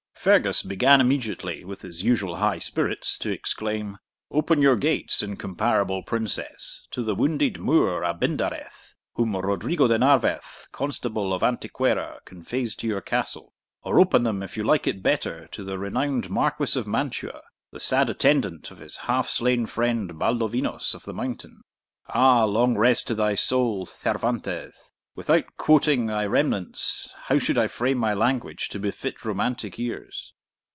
Fergus began immediately, with his usual high spirits, to exclaim, 'Open your gates, incomparable princess, to the wounded Moor Abindarez, whom Rodrigo de Narvez, constable of Antiquera, conveys to your castle; or open them, if you like it better, to the renowned Marquis of Mantua, the sad attendant of his half slain friend Baldovinos of the Mountain. Ah, long rest to thy soul, Cervantes! without quoting thy remnants, how should I frame my language to befit romantic ears!'